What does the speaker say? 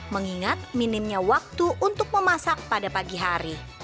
mengingat minimnya waktu untuk memasak pada pagi hari